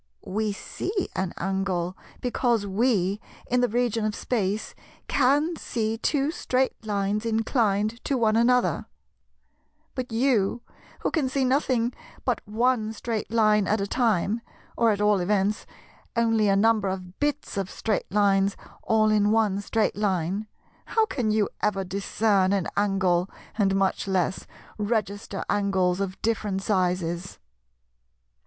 We see an angle, because we, in the region of Space, can see two straight lines inclined to one another; but you, who can see nothing but on straight line at a time, or at all events only a number of bits of straight lines all in one straight line,—how can you ever discern an angle, and much less register angles of different sizes?"